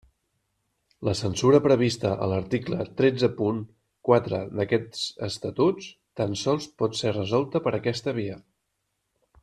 La censura prevista a l'article tretze punt quatre d'aquests Estatuts, tan sols pot ser resolta per aquesta via.